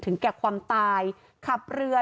แก่ความตายขับเรือ